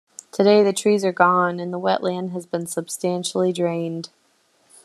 Today the trees are gone and the wetland has been substantially drained.